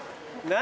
何？